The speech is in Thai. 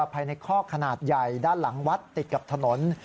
ภายในคอกขนาดใหญ่ด้านหลังวัดติดกับถนน